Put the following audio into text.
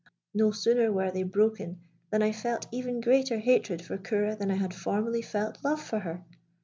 No sooner were they broken than I felt even greater hatred for Ceora than I had formerly felt love for her.